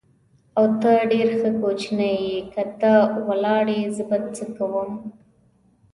او، ته ډېر ښه کوچنی یې، که ته ولاړې زه به څه کوم؟